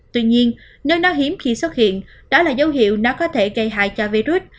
tuy nhiên nếu nó hiếm khi xuất hiện đó là dấu hiệu nó có thể gây hại cho virus